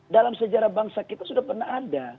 dalam sejarah bangsa kita sudah pernah ada